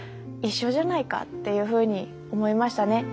一緒じゃないかっていうふうに思いましたね。